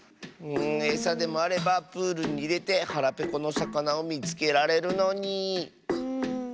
エサでもあればプールにいれてはらぺこのさかなをみつけられるのに。